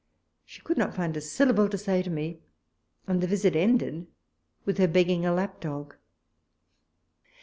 She could not find a syllable to say to me, and the visit ended with her begging a lap dog.